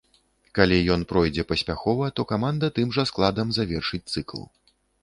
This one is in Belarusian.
Калі ён пройдзе паспяхова, то каманда тым жа складам завершыць цыкл.